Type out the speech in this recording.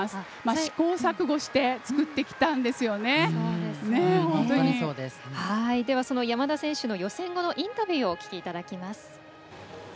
試行錯誤してその山田選手の予選後のインタビューをお聞きいただきます。